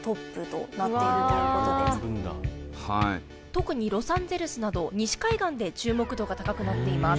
特にロサンゼルスなど西海岸で注目度が高くなっています。